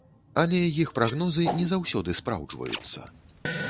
Але іх прагнозы не заўсёды спраўджваюцца.